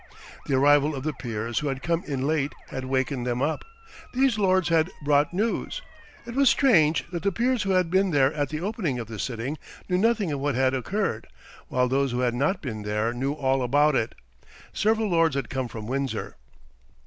The arrival of the peers who had come in late had wakened them up. These lords had brought news. It was strange that the peers who had been there at the opening of the sitting knew nothing of what had occurred, while those who had not been there knew all about it. Several lords had come from Windsor.